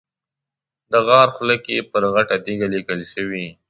د غار خوله کې پر غټه تیږه لیکل شوي.